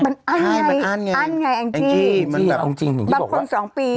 มันอั้นไงอั้นไงแอ้งจี้บางคน๒ปี